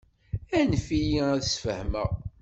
Anef-iyi ad d-sfehmeɣ.